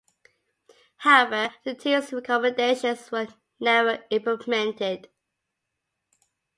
However, the team's recommendations were never implemented.